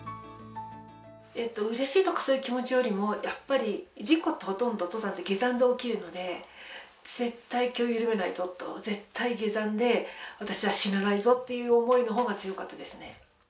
うれしいとかそういう気持ちよりも、やっぱり事故ってほとんど登山って、下山で起きるので、絶対気を緩めないぞと、絶対下山で私は死なないぞっていう思いのほうが強かったですね。